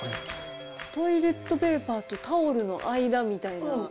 トイレットペーパーとタオルの間みたいな。